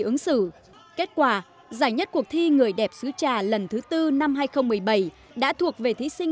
ứng xử kết quả giải nhất cuộc thi người đẹp sứ trà lần thứ tư năm hai nghìn một mươi bảy đã thuộc về thí sinh